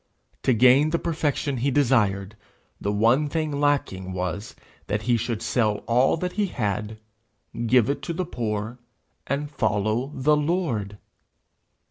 To gain the perfection he desired, the one thing lacking was, that he should sell all that he had, give it to the poor, and follow the Lord!